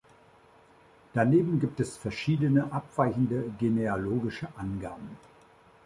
Daneben gibt es verschiedene abweichende genealogische Angaben.